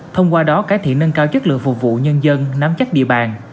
thông qua đó cải thiện nâng cao chất lượng phục vụ nhân dân nắm chắc địa bàn